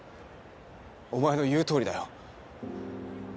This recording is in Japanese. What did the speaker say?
お前の言うとおりだよ。